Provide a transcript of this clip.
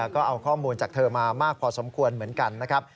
ก็เอาข้อมูลจากเธอมามากพอสมควรเหมือนกันนะครับ